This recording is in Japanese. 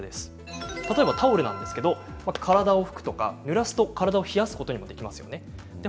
例えばタオルなんですけれども体を拭くとか、ぬらすと体を冷やすことにもなりますよね。